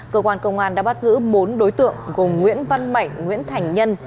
cơ quan công an đã bắt giữ bốn đối tượng gồm nguyễn văn mạnh nguyễn thành nhân